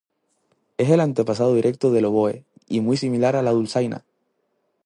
Es el antepasado directo del oboe, y muy similar a la dulzaina.